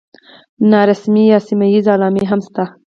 نارسمي یا سیمه ییزې علامې هم شته دي.